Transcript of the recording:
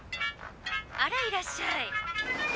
あらいらっしゃい。